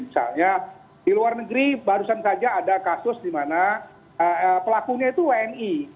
misalnya di luar negeri barusan saja ada kasus di mana pelakunya itu wni